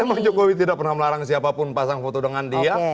memang jokowi tidak pernah melarang siapapun pasang foto dengan dia